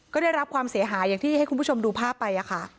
ก็ได้รับความเสียหายอย่างที่ให้คุณผู้ชมดูภาพไป